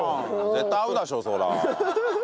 絶対合うだしょそら！